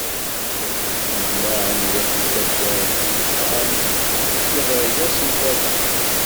Nnejmaɛen wat n taddert xeṭṭan-t, yeḍreg-asen tala.